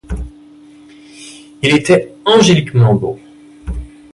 Il était angéliquement beau.